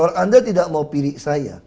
kalau anda tidak mau pilih saya